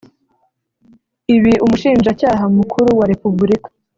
Ibi Umushinjacyaha Mukuru wa Repubulika